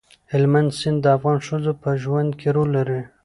هلمند سیند د افغان ښځو په ژوند کې رول لري.